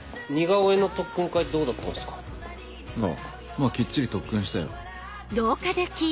まぁきっちり特訓したよ。